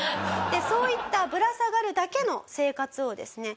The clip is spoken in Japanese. そういったぶら下がるだけの生活をですね